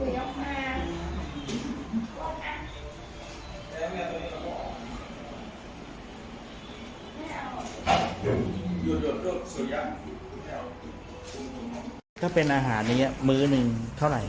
ถ้าเป็นอาหารเป็นอาหารก็เป็นมื้อนึงเท่าไหร่